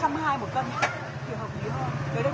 đấy đây chị nói thật